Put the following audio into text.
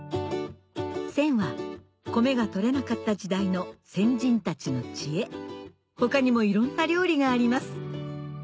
せんは米が取れなかった時代の先人たちの知恵他にもいろんな料理があります